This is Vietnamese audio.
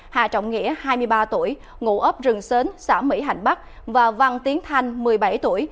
hà trọng nghĩa hai mươi ba tuổi ngụ ấp rừng xến xã mỹ hạnh bắc và văn tiến thanh một mươi bảy tuổi